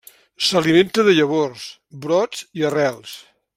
S'alimenta de llavors, brots i arrels.